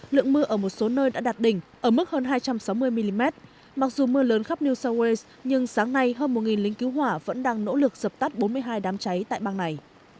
lượng mưa ở một số nơi đã đạt đỉnh ở mức hơn hai trăm sáu mươi mm mặc dù mưa lớn khắp new south wales nhưng sáng nay hơn một lính cứu hỏa vẫn đang nỗ lực dập tắt bốn mươi hai đám cháy tại bang này